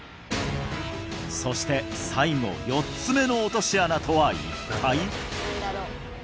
そして最後４つ目の落とし穴とは一体！？